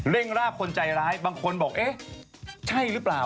รากคนใจร้ายบางคนบอกเอ๊ะใช่หรือเปล่า